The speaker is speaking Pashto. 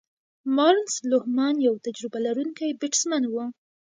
مارنس لوهمان یو تجربه لرونکی بیټسمېن وو.